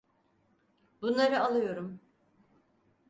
Bunları alıyorum.